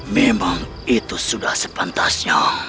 memang itu sudah sepantasnya